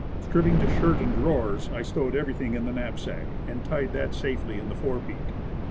Stripping to shirt and drawers, I stowed everything in the knapsack, and tied that safely in the fore peak.